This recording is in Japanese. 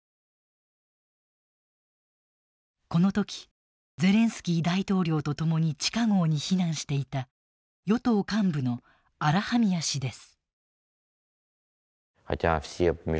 この時ゼレンスキー大統領と共に地下壕に避難していた与党幹部のアラハミア氏です。